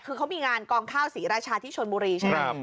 คือเขามีงานกองข้าวศรีราชาที่ชนบุรีใช่ไหม